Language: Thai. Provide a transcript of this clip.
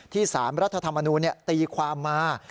สารรัฐธรรมนูลตีความมา